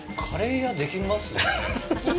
カレー屋できますよね。